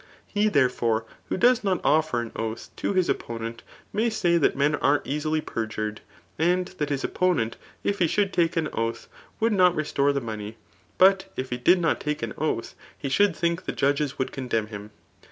He therefore who does not offer an oath to his opponent [may say] that men are easily perjured ; wad that his opponent if he should take an oath, wouki not restore the money, but if he did not take an oath, he should thbik the judges would condemn him.